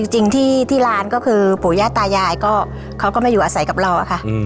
จริงที่ร้านก็คือปู่ย่าตายายก็เขาก็ไม่อยู่อาศัยกับเราอะค่ะ